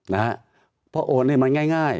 นะฮะเพราะโอนให้มันง่าย